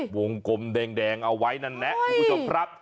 วงกลมแดงเอาไว้นั้นแหละภูเจ้าพระ